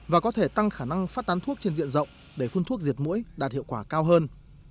và có thể tăng khả năng phát tán thuốc trên diện rộng để phun thuốc diệt mũi đạt hiệu quả cao hơn